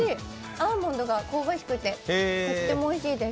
アーモンドが香ばしくてとってもおいしいです。